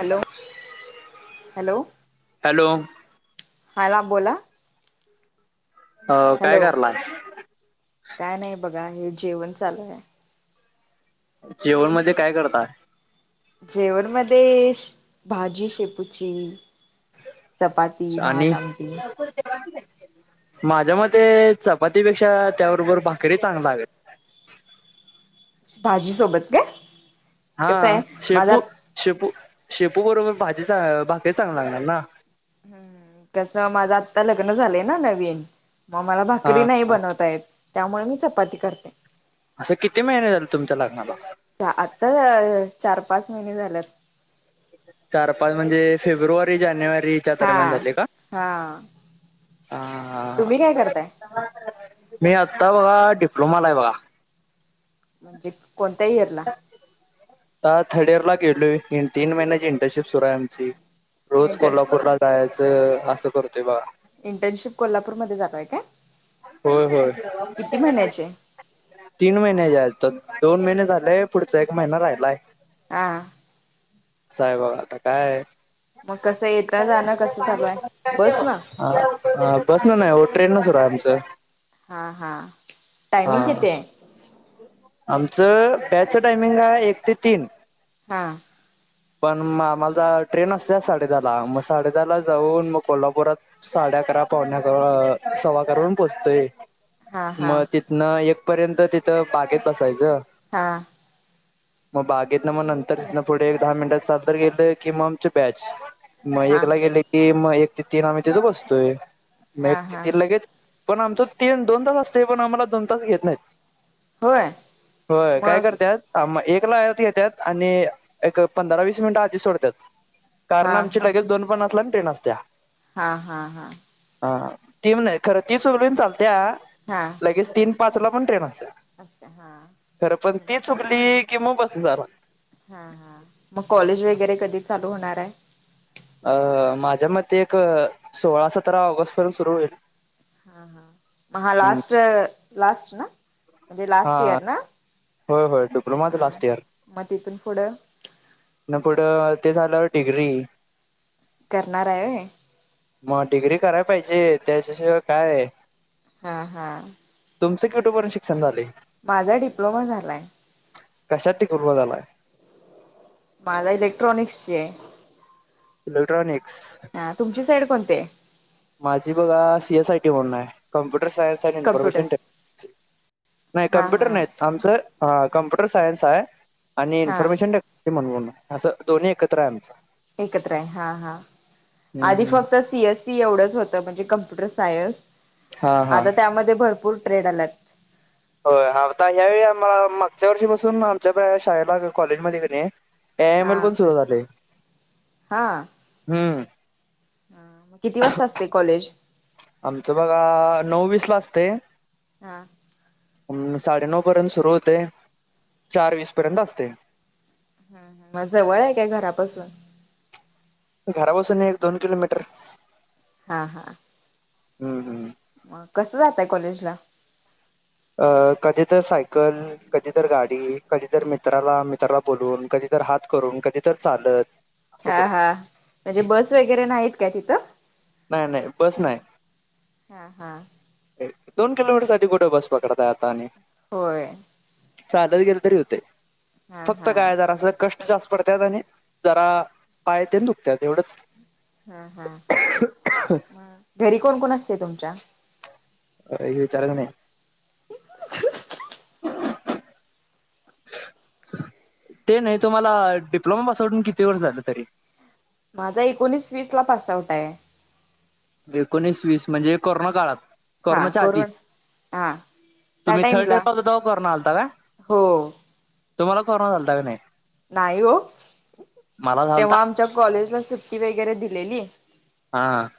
Hello, hello! Hello! हाला बोला. अ काय हॅलो करला. काय नाही बघा हे जेवण चालूआहे. जेवण मध्ये काय करता? जेवणमध्ये भाजी शेपूची. चपाती च्याणि? भात आमटी माझ्या मते चपातीपेक्षा त्याबरोबर भाकरी चांग लागल. भाजी सोबत का हा कसय माझा शेपू शेपू, शेपू बरोबर भाजी चा भाकरी चांग लागणार ना. हूं कसं माझं आत्ता लग्न झालंय ना नवीन. म मला भाकरी हा नाही बनवता येत त्यामुळे मी चपाती करते. असं किती महिने झाले तुमच्या लग्नाला. आत्ता अ चार पाच महिने झाल्यात. चार पाच म्हणजे फेब्रुवारी, जानेवारी. च्या हा दरम्यान झालय का हा हा हा. तुम्ही काय करताय मी आता बघा डिप्लोमाला आहे बघा. म्हणजे कोणत्या इयर ला. आ थर्ड इयर ला गेलोय तीन महिन्याची इंटर्नशिप सुरू आहे आमची रोज इंटर कोल्हापूरला जायचं असं करतोय बगा इंटर्नशिप कोल्हापूरमध्ये जाताय का? होय होय तीन महिन्याची आहे आता दोन महिने झालेय पुढचा एक महिना राहिलाय हा अस हाय बघा आता काय मग कसं येतं जाणं कसं चालू आहे बस ना हा बस न नाही हो ट्रेन न सुरू आहे आमचं हा हा टायमिंग हा कीती हाय? आमचं बॅचच टायमिंग हाय एक ते तीन हा [inaudible] पण मग आम्हाला ट्रेन असते साडेदहाला मग साडे दहा ला जाऊन मग कोल्हापुरात साडे अकरा, पावणे अकरा, सव्वा करून पोचतोय हा हा मग तिथन एक पर्यंत तिथं बागेत बसायचं. हा [unintelligible] मग बागेत न मग नंतर इथ न पुढे एक दहा मिनिटात चालत गेलं की मग आमची बॅच मग एक हा ला गेले की मग एक ते तीन आम्ही तिथे बसतोय मग एक हा ते हा तीन लगेच पण आमचं तीन दोन तास असते पण आम्हाला दोन तास घेत नाहीत होय होय काय मग करत्यात ह मग एक ला आत घेत्यात आणि एक पंधरा वीस मिनिट आधी सोडतात हा कारण आमची हा लगेज दोन पन्नासला आणि ट्रेन असत्या. हा हा हा हा तीन नाही ती सोडली की चालत्या. हा लगेच तीन पाच ला पण ट्रेन असत्या अच्छा हा खरं पण ती चुकली की मग बस जरा हा हा मग कॉलेज वगैरे कधी चालू होणार हाय? अ माझ्या मते एक सोळा, सतरा ऑगस्ट पर्यंत सुरू होईल. हा हा म हा हम्म. लास्ट लास्ट ना म्हणजे लास्ट इयर ना? हो होय डिप्लोमाच हा लास्ट इयर. मग तिथून पुढं इथंन पुढं ते झाल्या वर डिग्री. करणारय हाय होय. म डिग्री कराय पाहिजे त्याच्याशिवाय काय हा हा तुमच क्यट्यूपर्यंत शिक्षण झालय. माझा डिप्लोमा झालाय. कशात तिकोर्णा झालाय. माझा इलेक्ट्रॉनिक्सची हाय. इलेक्ट्रॉनिक्स. हा तुमची साईड कोणती हाय माझी बघा सी एस आय टी म्हणून हाय. Computer science and computer information technology नाही हा कम्प्युटर हा नाही आमचं आ कम्प्युटर सायन्स आहे आणि हा इन्फॉर्मेशन टे ते म्हणून असं दोन्ही एकत्र आहे आमचं. एकत्र हाय हा हा हम्म आधी हम्म फक्त सी एस त एवढंच होत म्हणजे कंप्युटर सायन्स हा हा आता त्यामध्ये भरपूर ट्रेड आल्यात. हो हाबता ह्या वेळी आम्हाला म मागच्या वर्षी पासून आमच्या शाळेला कॉलेजमध्ये कणी ए आय एम हा एल पण सुरू झालय हम्म. हा म आमचं बघा नऊ वीस ला असतय. हा अ साडेनऊ पर्यंत सुरू होतय चार वीस पर्यंत असतयं. ह ह मग जवळ आहे काय घरापासून? घरा पासून एक दोन किलोमीटर. हा हा. हम्म हम्म. मग कसं जाताय कॉलेज ला? अ कधी तर सायकल कधी तर गाडी कधी तर मित्राला मित्राला बोलवून कधी तर हात करून कधी तर चालत. असं हा करतो हा म्हणजे बस वगैरे नाहीत का तिथं. नाही नाही बस नाही. हा हा. एक दोन किलोमीटर साठी कुठे बस पकडताय आता आणि होय. चालत गेलं तरी हुतय हा फक्त हा काय जरास कष् ट जास्त पडत्यात आणि जरा पाय तेन दुखत्यात एवढंच. हा हा म घरी कोण कोण असतय तुमच्या? अरे हे विचारायच नाही. [inaudible] ते नाही तुम्हाला डिप्लोमा पास होवून किती वर्ष झालं तरी. माझा एकोणीस वीस ला पास आउट आहे. एकोणीस वीस म्हणजे कोरोना काळात. हा कोरोनाच्या आधी कोरोन हा त्या तुम्ही थर्ड टाइमला यिअरला होता तेव्हा कोरोना आलता काय? हो तुम्हाला कोरोना झालता का नाही? नाही ओ मला झालता तेव्हा आमच्या कॉलेजला सुट्टी वगैरे दिलेली. हां हां.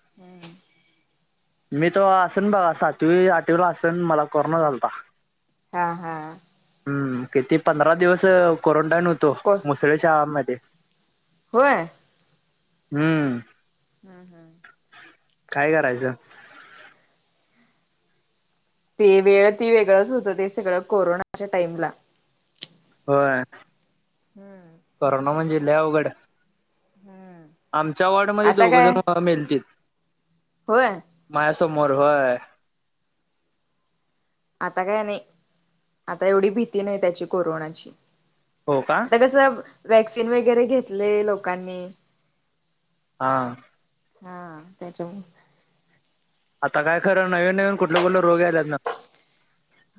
मी तेव्हा असन बघा सातवी आठवीला असन मला कोरोना झालता. हा हा. हम किती पंधरा दिवस क्वारंटाईन हो तो को मुसळे शाळा माहितीये होय हम्म. हम्म हम्म. काय करायचं? ते वेळ ती वेगळंच होतं ते सगळं कोरोनाच्या टाईमला. होय करोना म्हणजे लई अवघड. आमच्या वॉर्डमध्ये आता दोघं काय जण वा मेलतीत. होय माझ्यासमोर व्हयं. आता काय नाही आता एवढी भीती नाही त्याची कोरोनाची. हो का आता कस वॅक्सिन वगैरे घेतलय लोकांनी. हा हा त्याच्यामु आता काय खरं नवीन नवीन कुठलं कुठलं रोग आलात ना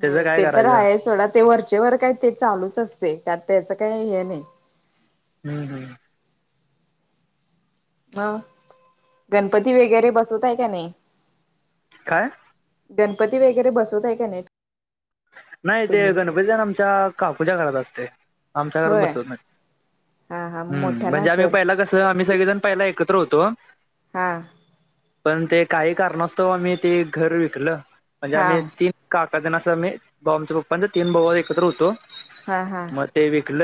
त्याचं होय काय ते तर करायचं आहे सोडा ते वरचे वर काही ते चालूच असते त्यात त्याचं काही हे नाही हम् हम ह गणपती वगैरे बसवतय का नाही काय गणपती वगैरे बसवतय का नाही नाही ते तुम्ही? गणपती जण आमच्या काकूच्या घरात असते आमच्या घरात होय बसवत नाही हा हा हम्म मोठ्यानं म्हणजे आम्ही असेल पहिला कसं आम्ही सगळेजण पहिला एकत्र होतो हां पण ते काही कारण असतो आम्ही तेी घर विकल म्हणजे हा आम्ही ती काकादनास मी भाऊमच्या पप्पपाचा तीन भाऊ एकत्र होतो हा हा मग ते विकल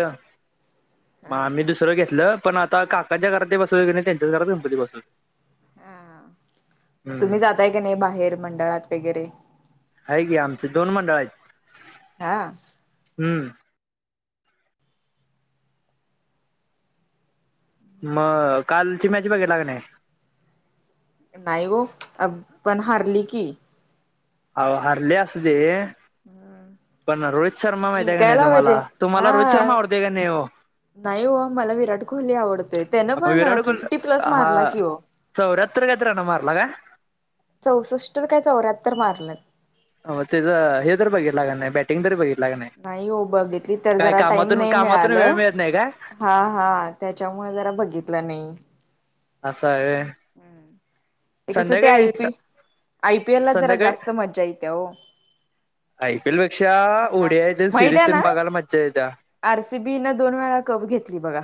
मग हा आम्ही स घेतलं पण आता काकाच्या घरात ते बसव त्यांच्या घरात गणपती बसवते हा मग तुम्ही जाताय काी नाही बाहेर मंडळात वगैरे आहे की आमचे दोन मंडळ आहेत हा हम्म मग कालची मॅच बघालाग नाही नाही हो पण हारली की अ हरले अस दे पण रोहित शर्मा माहितीय का नाही जिंकायला पाहिजे तुम्हाला हा. तुम्हाला रोहित शर्मा आवडतोय का नाही हो नाही हो मला विराट कोहली आवडतेय त्यानं मग पण विराट कोहली फिफ्टी प्लस हा मारला कि हो चौऱ्याहत्तर काय तर रण मारला का? चौसष्ट काय चौऱ्याहत्तर मारलेत. हो त्याचं हे तरर बघितलाग नाही बॅट टिन बघितला का नाही? नाही हो बघितली तर काय जरा टाईम कामातून नाही कामातून मिळाल. वेळ मिळत नाही का हा.. हा. त्याच्यामुळे जरा बघितलं नाही. असं आहे व्हय हम्म ते कसं ते संध्याकाळी आयपी.. स- आयपीएल ला जरा संध्याकाळी जास्त मज्जा येती या हो आय पी एल पेक्षा उड्या येेत माहित आहे सिरीजन ना बघायला मज्जा येतय. आरसीबी न दोन वेळा कप घेतली बघा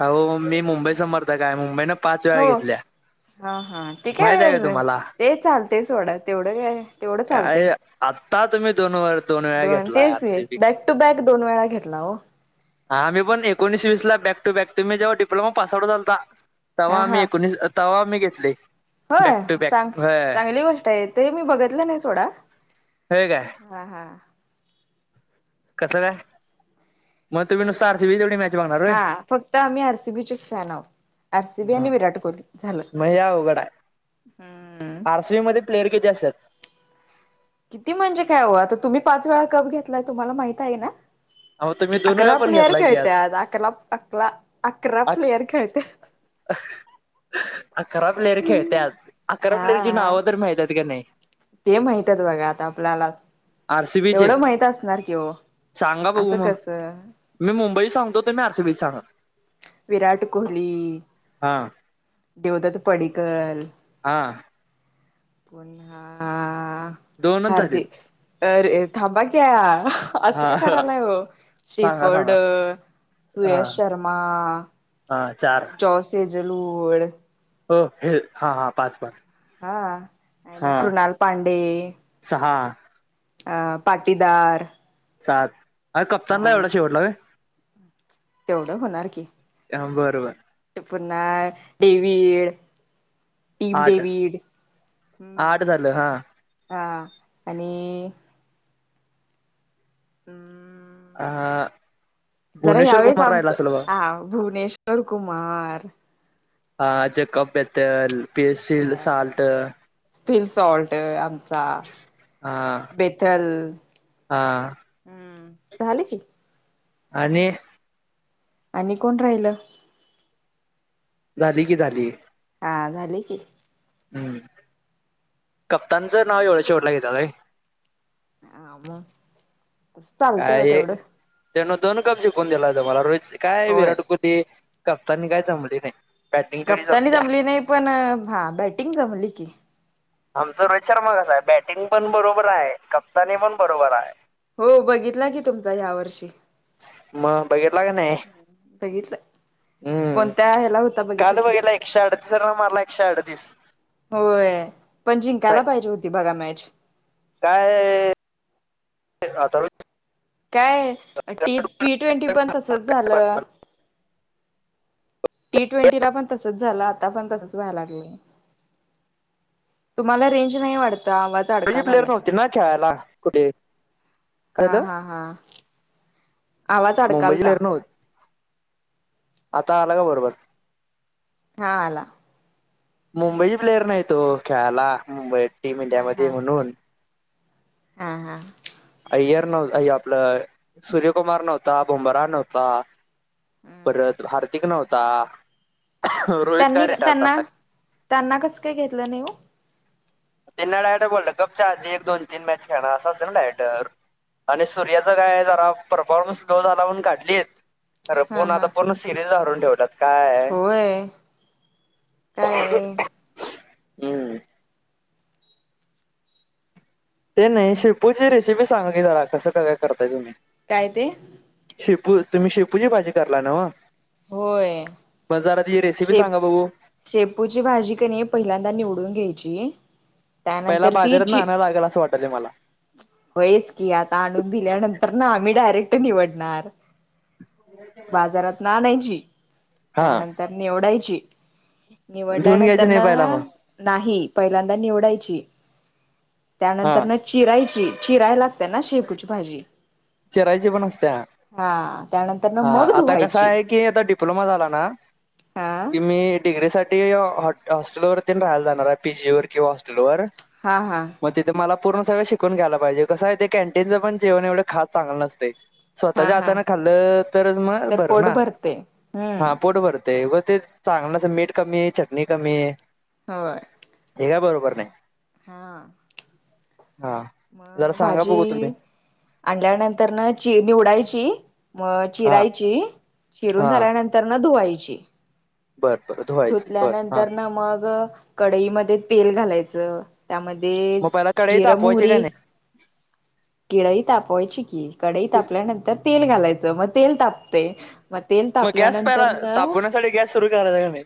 हो मी मुंबई समर्थक आहे मुंबई ना हो हा हा तेी काय माहित आहे का व तुम्हाला ते चालते सोडा तेवढं काय तेवढं चालते काय आत्ता तुम्ही दोन वर वेळा दोन घेतला तेच आरसीबी बॅक टू बॅक दोन वेळा घेतला हो हा मी पण एकोणीसवीस ला बॅ टू बॅक तुम्ही जेव्हा डिप्लोमा पास आउट झालता हा तव्हा आम्ही हा एकोणीस तव्हा आम्ही घेतले. होय बॅक टू बॅक चांग होय चांगली गोष्ट आहे, ते मी बघितलं नाही सोडा. व्हय काय? हा.. हा कसं काय? मग तुम्ही नुसता आरसीबी तेवढी मॅच बघणार होय हा फक्त आम्ही आर सी बी चेच फॅन आहोत, आर सी बी आणि विराट कोहली झालं. म ह्या अवघड आहे हम्म. आर सी वी मध्ये प्लेयर किती असतेत? किती म्हणजे काय हो आता तुम्ही पाच वेळा कप घेतलाय तुम्हाला माहित आहे ना. अहो तुम्ही दोन वेळा अकरा पण प्लेयर घेतला की आज खेळत्यात अकला अकला अकरा प्लेयर खेळते. ह.. अकरा प्लेयर खेळत्यात अकरा प्लेयरची हा नावं तर माहितात का नाही? ते माहित आहेत बघा आता आपल्याला, आरसीबीचे तेवढं माहित असणार की हो सांगा अ बघू सं मग कसं मी मुंबईत सांगतो तर मी आर सी बी सांगा. विराट कोहली हां. देवदत्त पडिकल हां. पुन्हा दोनच झालेत हार्दिक अ अरे थांबा क्या असं हा का करायला आहे हो सांगा शेफर्ड, सांगा हा सुयश शर्मा हा चार अ सेजल उळ हो हे हां हां पाच-पाच हा आणि कृणाल पांडे सहा आं पाटीदार सात अ कप्तानला एवढा शेवटला व्हय तेवढं होणार की बरं बरं ते पुन्हा डेविड टीम आठ डेविड हम्म आठ झालं हा हा आणि अ, हम्म जरा ह्या भुवनेश्वर वेळेस कुमार राहिला आमचं असेल बघ हा भुवनेश तरकुमार हा ज्या कप आहे त्याल [inaudible] स्पिन सॉल्ट आमचा हा बेथल हा. झाले की. आणि आणि कोण राहिलं? झाली की झाली. आ झाले की. हम्म कप्तानचं नाव एवढा शेवढला घेेतला काय? हा म. काया त्यानं दोन कप जिकून दिला हो तुम्हाला रोहित काय होय विराट कोहली ते कप्तानी काय जमली नाही बॅटिंग तेवढी गप्तानी जमत्या. जमली नाही पण हा बॅटिंग जमली की. आमचा रोहित शर्मा कसा आहे बॅटिंग पण बरोबर आहे, कप्तानी पण बरोबर आहे. हो बघितला की तुमचा ह्यावर्षी. म बघितला का नाही? बघितलं. कोणत्या उम्म ह्याला होता बघितलं कालं की बघितला एकशे अडतीस ना मारला एकशे अडतीस होय पण जिंकायला पाहिजे होती बघा मॅच. काय ये, वातावरण काये? टी-टी ट्वेंटी पण तसच झालं. मुंबईची टी ट्वेंटीला पण तसच झालं, आता पण तसच व्हाया लागल. तुम्हाला रेंज नाही वाटत, आवाज चडका प्लेअर झालाय, नव्हती ना खेळायला कुठे काय हां झालं हां हं. आवाज मुंबईची अडकलता. प्लेअर नव्हती आता आला का बरोबर? हां आला. मुंबई प्लेयर नाहीत ओ खेळायला मुंबईत, टीम इंडियामध्ये म्हणून हां हां. अय्यर नव्ह, अय आपलं सूर्यकुमार नव्हता, बुंबरा नव्हता. हम्म परत, हार्दिक नव्हता. रोहित काय त्यांनी रिटायर त्यांना, झाला त्यांना कसं काय घेतलं नाही ओ? त्यान डायट बोल कपच्या आधी, एक दोन तीन मॅच खेळं अस नाडायटर. आणि सूर्याचं काय जरा, परफॉर्मन्स लो झाला म्हणून काढली. खरं, हा पण हा आता [unintelligible] सिरीज हरून ठेवतात. होय, काय ये? हम्म. ते नाही, शेपूची रेसिपी सांगा की, जरा कसं काय काय करताय तुम्ही? काय ते? शेपू, तुम्ही शेपूची भाजी करला ना ओ? होय प जरा ति रेसिपी शेप सांगा बघू. शेपूची भाजी क नही पहिल्यांदा निवडून घ्यायची पहिला त्यानंतर ती बाजारात ना आणाय लागल, असं वाटायल मला. होयस की, आता आणून दिल्यानंतर ना आम्ही डायरेक्ट निवडणार. बाजारात न आणायची, हा त्यानंतर निवडायची. धुवून घ्यायची निवडल्यानंतर नाही ना पहिला आ मग नाही पहिल्यांदा निवडायची, हा त्यानंतर न चिरायची चिरायलाग ते ना, शेपूची भाजी चिरायची पण असतया? हा त्यानंतर न हा मग आता कस धुवायची हाय कि, आता डिप्लोमा झाला ना. हा की मी डिग्रीसाठ इ, ओ-हॉस्टेल वरती राहायला जाणार आहे, पीजी वर हॉस्टेल वर. हां हां. मग तिथे मला पूर्ण सगंळ शिकून घ्यायला पाहिजे, कसंय आहे ते कँटीनचं पण जेवण एवढं खास, चांगलं नसतय. हा स्वतःच्या हा हातान खाल्लं तरच, मग तर बर पोट ना? भरते हम्म हा पोट भर ते होते, चांगलं मीठ कमी, चटणी कमी. होय. हे काय बरोबर नाही. हां. हां. मअ भाजी आणल्यानंतर ना, ची निवडायची. म हा चिरायची, चिरून हा झाल्यानंतर न धुवायची. बर बर धुवायची बर हा धुतल्यानंतर ना मग, कडईमध्ये तेल घालायचं. त्यामध्ये मग पहिला कढई जिरं, मोहरी तापवायची का नाही किडई तापवायची कि कढई तापल्यानंतर तेल घालायचं मग तेल तापतय मग गॅस पला तापवण्यासाठी गॅस सुरू करायचा की नाही